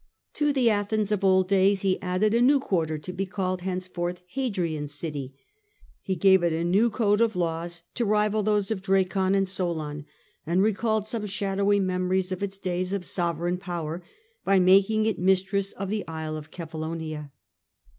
To the Athens of old days he added a where he new quarter, to be called henceforth Hadrian^s endued art city j he gave it a new code of laws to rival and learning, those of Dracon and of Solon, and recalled some shadowy memories of its days of sovereign power by making it mistress of the isle of Kephallonia.